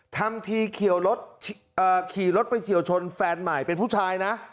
ทำทีเขียวรถเอ่อขี่รถไปเขียวชนแฟนใหม่เป็นผู้ชายนะ